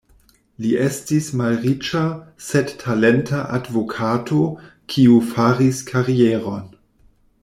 Li estis malriĉa, sed talenta advokato, kiu faris karieron.